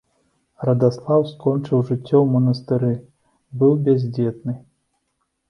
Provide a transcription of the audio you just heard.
Радаслаў скончыў жыццё ў манастыры, быў бяздзетны.